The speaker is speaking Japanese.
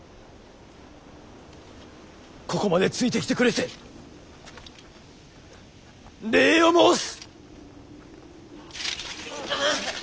ここまでついてきてくれて礼を申す！